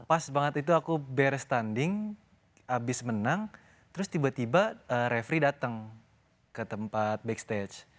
pas banget itu aku beres tanding habis menang terus tiba tiba refri datang ke tempat backstage